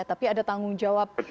tapi ada tanggung jawab